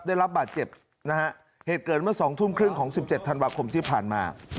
ได้รับบาดเจ็บนะฮะเหตุเกิดเมื่อสองทุ่มครึ่งของ๑๗ธันวาคมที่ผ่านมา